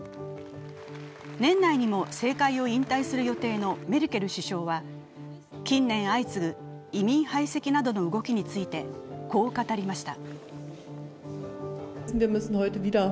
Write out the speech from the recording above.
年内にも政界を引退する予定のメルケル首相は近年相次ぐ移民排斥などの動きについて、こう語りました。